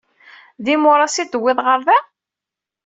D imuras i d-tewwiḍ ɣer da?